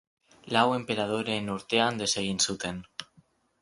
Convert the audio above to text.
Lau enperadoreen urtean desegin zuten.